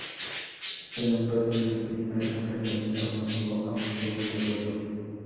El empate del primer enfrentamiento motivó a un segundo duelo.